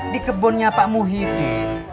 di kebunnya pak muhyiddin